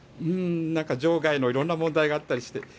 場外の色んな問題があったりして。